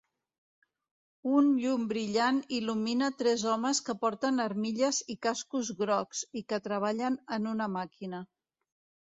Un llum brillant il·lumina tres homes que porten armilles i cascos grocs, i que treballen en una màquina.